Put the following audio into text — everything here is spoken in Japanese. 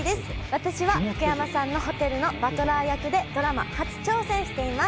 私は福山さんのホテルのバトラー役でドラマ初挑戦しています